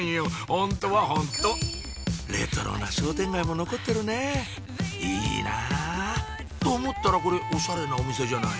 ホントはホントレトロな商店街も残ってるねいいな！と思ったらこれオシャレなお店じゃない？